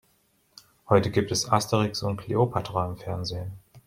Heute gibt es "Asterix und Kleopatra" im Fernsehen.